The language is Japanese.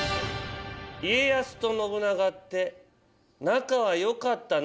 家康と信長って仲は良かったの？